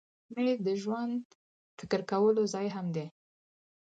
مېز د ژور فکر کولو ځای هم دی.